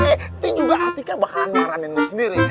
ini juga atika bakalan marahin lo sendiri